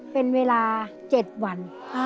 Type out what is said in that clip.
เป็นเวลา๗วัน